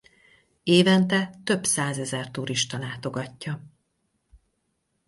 Évente több százezer turista látogatja.